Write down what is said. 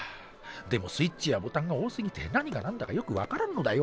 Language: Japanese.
でもスイッチやボタンが多すぎて何が何だかよく分からんのだよ。